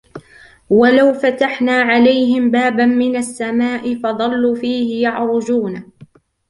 وَلَوْ فَتَحْنَا عَلَيْهِمْ بَابًا مِنَ السَّمَاءِ فَظَلُّوا فِيهِ يَعْرُجُونَ